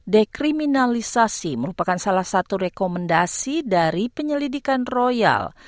dekriminalisasi merupakan salah satu rekomendasi dari penyelidikan royal